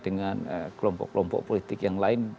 dengan kelompok kelompok politik yang lain